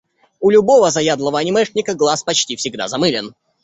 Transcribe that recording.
У любого заядлого анимешника глаз почти всегда замылен.